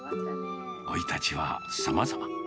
生い立ちはさまざま。